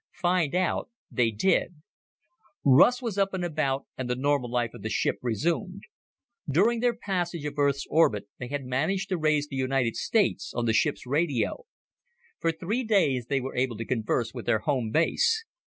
Find out they did. Russ was up and about and the normal life of the ship resumed. During their passage of Earth's orbit, they had managed to raise the United States on the ship's radio. For three days they were able to converse with their home base.